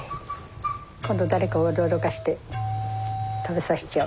今度誰か驚かせて食べさせちゃおう。